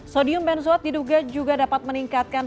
sodium benzwatt diduga juga dapat meningkatkan